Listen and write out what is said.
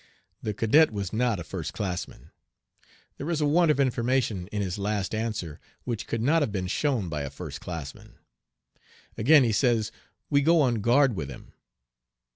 The cadet was not a first classman. There is a want of information in his last answer which could not have been shown by a first classman. Again, he says we "go on guard with him."